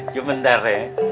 cuma bentar ya